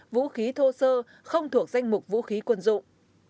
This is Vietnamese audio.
vũ khí thô sơ không thuộc danh mục vũ khí quân dụng